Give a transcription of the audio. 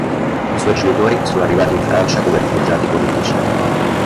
I suoi genitori sono arrivati in Francia come rifugiati politici.